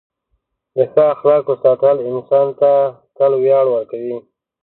د ښه اخلاقو ساتل انسان ته تل ویاړ ورکوي.